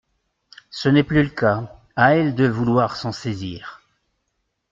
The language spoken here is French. Ce n’est plus le cas, à elles de vouloir s’en saisir.